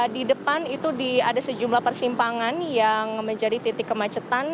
di depan itu ada sejumlah persimpangan yang menjadi titik kemacetan